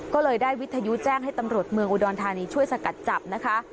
ก็เลยได้วิทยุแจ้งให้ตำรวจเมืองอุดรธานีช่วยสกัดจับนะคะ